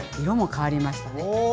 色も変わりましたね。